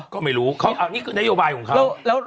ก็ไม่รู้นี่คือนโยบายของเขา